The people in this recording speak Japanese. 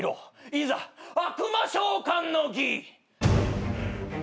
いざ悪魔召喚の儀。